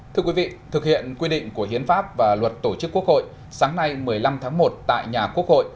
thưa quý vị thực hiện quy định của hiến pháp và luật tổ chức quốc hội sáng nay một mươi năm tháng một tại nhà quốc hội